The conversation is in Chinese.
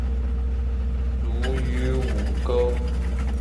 卒于午沟。